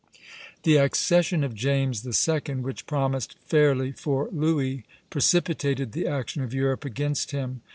The accession of James II., which promised fairly for Louis, precipitated the action of Europe against him.